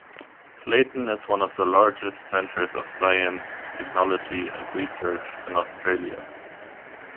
Clayton is one of the largest centres of science, technology and research in Australia.